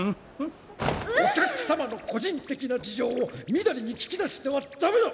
お客様の個人的な事情をみだりに聞き出してはだめだ！